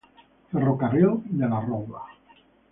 Ferrocarril de La Robla.